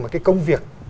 một công việc